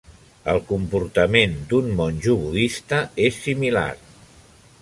El comportament d'un monjo budista és similar.